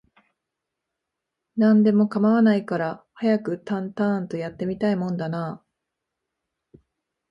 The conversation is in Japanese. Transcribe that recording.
何でも構わないから、早くタンタアーンと、やって見たいもんだなあ